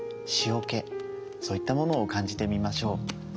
塩けそういったものを感じてみましょう。